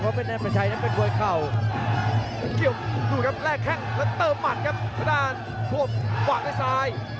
กระดานหวากด้วยซ้าย